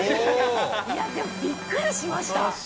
いや、でもびっくりしました。